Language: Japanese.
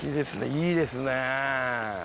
いいですね。